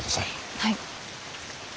はい。